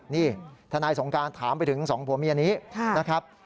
นี่ทนายสงการถามไปถึงสองผัวเมียนี้นะครับ